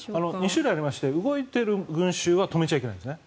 ２種類ありまして動いている群衆は止めちゃいけないんですね。